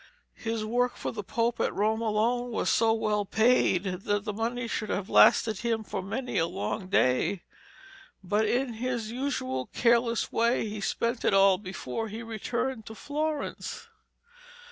His work for the Pope at Rome alone was so well paid that the money should have lasted him for many a long day, but in his usual careless way he spent it all before he returned to Florence.